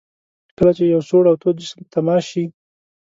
کله چې یو سوړ او تود جسم په تماس شي.